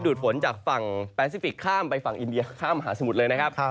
ฝนจากฝั่งแปซิฟิกข้ามไปฝั่งอินเดียข้ามมหาสมุทรเลยนะครับ